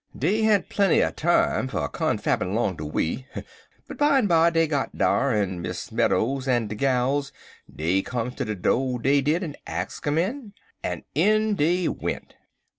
Dey had plenty er time fer confabbin' 'long de way, but bimeby dey got dar, en Miss Meadows en de gals dey come ter de do', dey did, en ax um in, en in dey went.